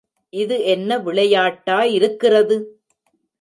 இது என்ன விளையாட்டா இருக்கிறது?